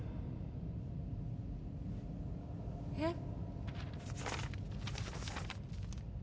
えっ？